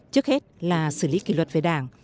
trước hết là xử lý kỳ luật về đảng